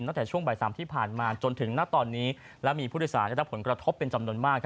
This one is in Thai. ตั้งแต่ช่วงบ่าย๓ที่ผ่านมาจนถึงณตอนนี้และมีผู้โดยสารได้รับผลกระทบเป็นจำนวนมาก